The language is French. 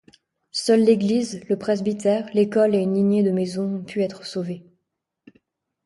Seuls l'église, le presbytère, l'école et une lignée de maisons ont pu être sauvés.